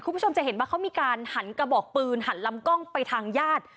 คุณผู้ชมจะเห็นว่าเขามีการหันกระบอกปืนหันลำกล้องไปทางญาติ